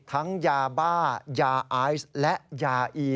ทั้งยาบ้ายาไอและยาอี